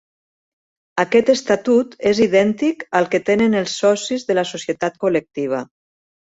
Aquest estatut és idèntic al que tenen els socis de la societat col·lectiva.